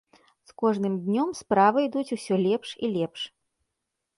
З кожным днём справы ідуць усё лепш і лепш.